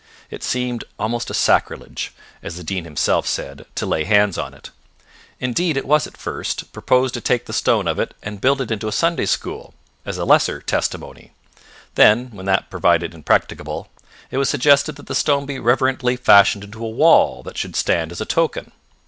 It seemed almost a sacrilege, as the Dean himself said, to lay hands on it. Indeed it was at first proposed to take the stone of it and build it into a Sunday School, as a lesser testimony. Then, when that provided impracticable, it was suggested that the stone be reverently fashioned into a wall that should stand as a token.